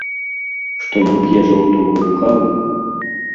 Што ён п'е жалудовую каву?